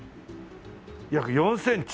約４センチ。